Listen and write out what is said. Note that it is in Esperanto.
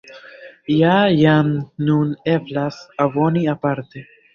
Ja jam nun eblas aboni aparte.